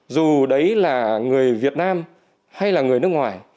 dù đấy là người việt nam hay là người nước ngoài